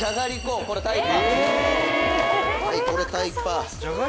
はいこれタイパ」